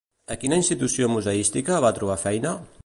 A quina institució museística va trobar feina?